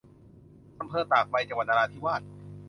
อำเภอตากใบ จังหวัดนราธิวาส